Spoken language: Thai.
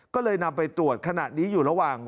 ก็เลยนำไปตรวจขณะนี้อยู่ระหว่าง